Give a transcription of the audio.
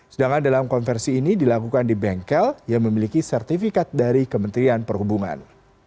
sedangkan dalam konversi ini dilakukan di bengkel yang memiliki sertifikat dari kementerian perhubungan